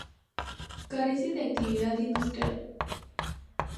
Carece de actividad industrial.